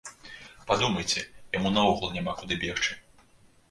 Падумайце, яму наогул няма куды бегчы.